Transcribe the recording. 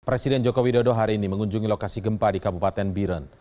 presiden joko widodo hari ini mengunjungi lokasi gempa di kabupaten biren